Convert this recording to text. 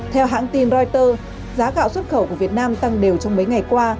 theo hãng tin reuters giá gạo xuất khẩu của việt nam tăng đều trong mấy ngày qua